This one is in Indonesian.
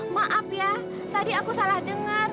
maaf ya tadi aku salah dengar